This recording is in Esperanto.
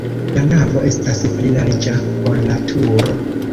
La navo estas pli larĝa, ol la turo.